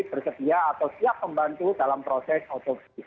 bersedia atau siap membantu dalam proses otopsi